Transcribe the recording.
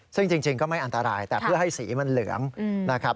ซึ่งจริงก็ไม่อันตรายแต่เพื่อให้สีมันเหลืองนะครับ